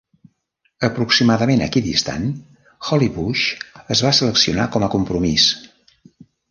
Aproximadament equidistant, Hollybush es va seleccionar com a compromís.